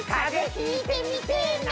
ひいてみてぇな。